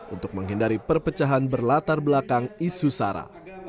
untuk menghindari perpecahan berlatar belakang isu sara